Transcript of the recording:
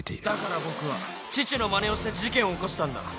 「だから僕は父のまねをして事件を起こしたんだ」